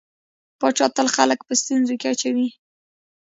پاچا تل خلک په ستونزو کې اچوي.